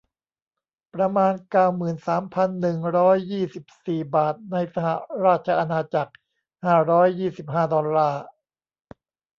ประมาณ เก้าหมื่นสามพันหนึ่งร้อยยี่สิบสี่ บาท ในสหราชอาณาจักร ห้าร้อยยี่สิบห้า ดอลลาร์